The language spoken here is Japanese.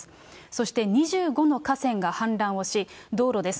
そして２５の河川が氾濫をし、道路です。